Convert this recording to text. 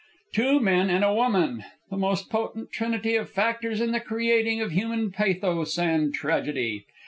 Two men and a woman! The most potent trinity of factors in the creating of human pathos and tragedy!